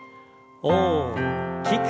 大きく。